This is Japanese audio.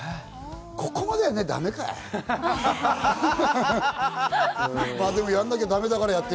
ここまでやらないとだめかい？